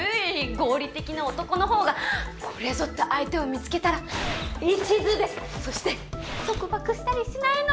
合理的な男のほうがこれぞって相手を見つけたら一途でそして束縛したりしないの！